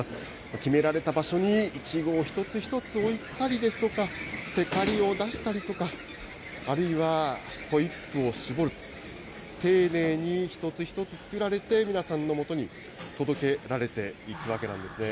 決められた場所にイチゴを一つ一つ置いたりですとか、てかりを出したりとか、あるいはホイップを絞る、丁寧に一つ一つ作られて、皆さんのもとに届けられていくわけなんですね。